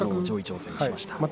上位に挑戦しました。